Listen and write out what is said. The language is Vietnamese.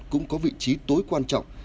cũng có vị trí tối quan trọng